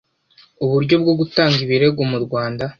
uburyo bwo gutanga ibirego mu rwanda